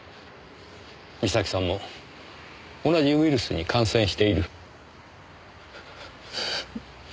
美咲さんも同じウイルスに感染している。